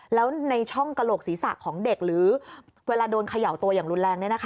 แล้วในช่องกระโหลกศีรษะของเด็กหรือเวลาโดนเขย่าตัวอย่างรุนแรง